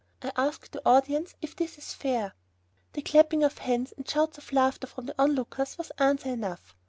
I ask the audience if this is fair?" The clapping of hands and shouts of laughter from the onlookers was answer enough.